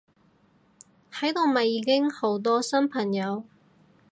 喺度咪已經好多新朋友！